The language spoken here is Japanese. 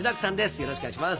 よろしくお願いします